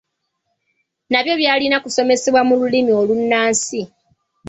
Nabyo byalina kusomesebwa mu Lulimi olunnansi.